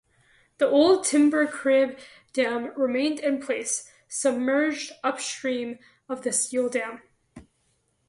The old timber crib dam remained in place, submerged, upstream of the steel dam.